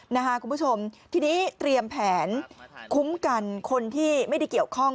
คุณผู้ชมทีนี้เตรียมแผนคุ้มกันคนที่ไม่ได้เกี่ยวข้อง